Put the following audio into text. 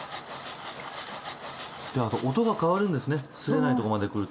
であと音が変わるんですねすれないとこまで来ると。